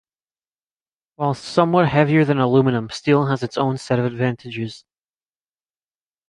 Whilst somewhat heavier than aluminium, steel has its own set of advantages.